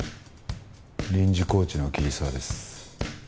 臨時コーチの桐沢です。